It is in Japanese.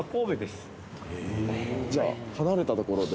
じゃあ離れた所で。